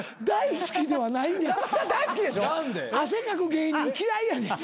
大好きではないねん。